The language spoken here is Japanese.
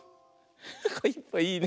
いいね。